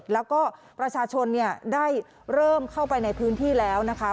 แล้วก็ประชาชนได้เริ่มเข้าไปในพื้นที่แล้วนะคะ